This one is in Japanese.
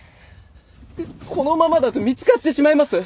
このままだと見つかってしまいます。